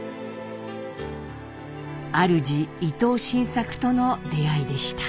あるじ伊藤新作との出会いでした。